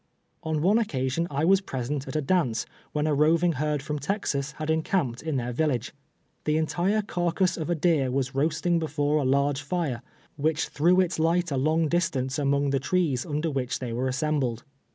On one occasion I was present at a dance, when a roving herd from Texas had encamped in their village. Tlie entire carcass of a deer was roasting before a large fire, wdiicli threw its light a long dis tance among the trees under which they were assem bled.